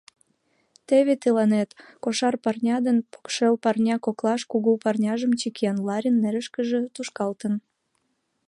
Теве тыланет!.. — кошар парня ден покшел парня коклаш кугу парняжым чыкен, Ларин нерышкыже тушкалтен: